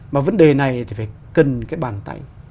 mà vấn đề này thì phải cần cái bàn tay